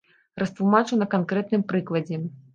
Растлумачу на канкрэтным прыкладзе.